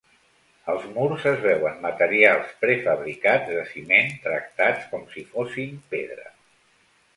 Als murs es veuen materials prefabricats de ciment tractats com si fossin pedra.